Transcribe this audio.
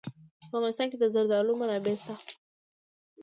په افغانستان کې د زردالو منابع شته.